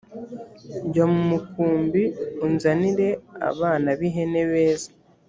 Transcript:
jya mu mukumbi unzanire abana b ihene beza